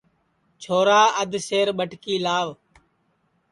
چھورا ادھ سیر ٻٹکی لی آوَ